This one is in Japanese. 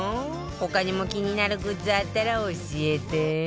他にも気になるグッズあったら教えて